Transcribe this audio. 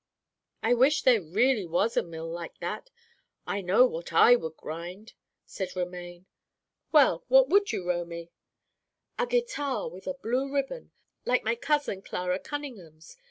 "I wish there really was a mill like that; I know what I would grind," said Romaine. "Well, what would you, Romy?" "A guitar with a blue ribbon, like my cousin Clara Cunningham's.